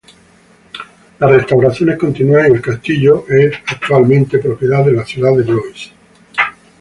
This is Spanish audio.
Las restauraciones continúan y el castillo es, actualmente, propiedad de la ciudad de Blois.